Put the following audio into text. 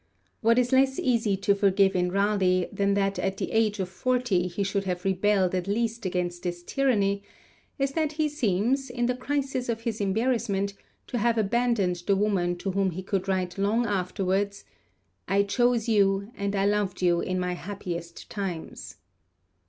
What is less easy to forgive in Raleigh than that at the age of forty he should have rebelled at last against this tyranny, is that he seems, in the crisis of his embarrassment, to have abandoned the woman to whom he could write long afterwards, 'I chose you and I loved you in my happiest times.'